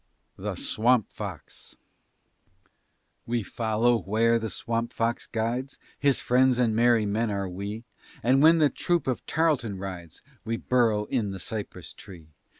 THE SWAMP FOX We follow where the Swamp Fox guides, His friends and merry men are we; And when the troop of Tarleton rides, We burrow in the cypress tree.